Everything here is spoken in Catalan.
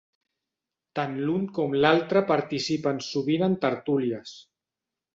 Tant l'un com l'altre participen sovint en tertúlies.